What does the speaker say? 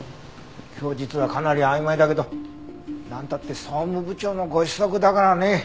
供述はかなり曖昧だけどなんたって総務部長のご子息だからね。